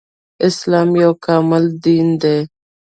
اسلام يو کامل دين دی